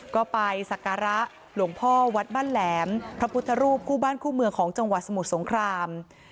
ก็ไปสักการะหลวงพ่อวัดบ้านแหลมพระพุทธรูปคู่บ้านคู่เมืองของจังหวัดสมุทรสงคราม